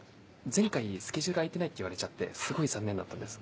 前回スケジュール空いてないって言われちゃってすごい残念だったんです。